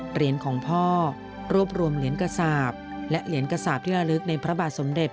เหรียญของพ่อรวบรวมเหรียญกระสาปและเหรียญกระสาปที่ระลึกในพระบาทสมเด็จ